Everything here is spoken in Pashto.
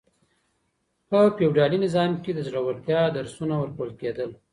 په فيوډالي نظام کي د زړورتيا درسونه ورکول کېدل.